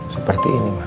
seperti ini mah